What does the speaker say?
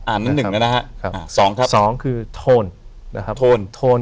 อันนั้นหนึ่งแล้วนะครับอ๋อ๒ครับ